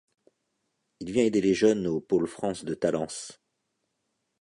Il vient aider les jeunes au pôle France de Talence.